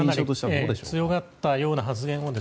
強がったような発言を。